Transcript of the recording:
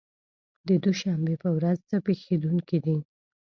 د دوشنبې په ورځ څه پېښېدونکي دي؟